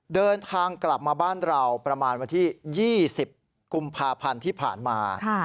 เดินทางกลับมาบ้านเราประมาณวันที่๒๐กุมภาพันธ์ที่ผ่านมา